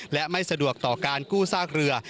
และไม่สะดวกต่อการกู้ซากเรือ